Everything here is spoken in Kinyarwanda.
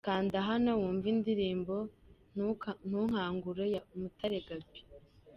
Kanda hano wumve indirimbo’Ntunkangure’ya Umuatre Gaby .